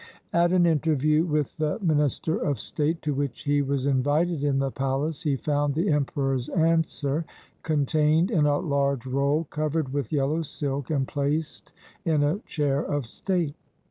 At an interview with the minister of state, to which he was invited in the palace, he found the emperor's answer contained in a large roll covered with yellow silk and placed in a chair of state.